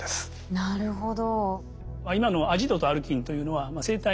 なるほど。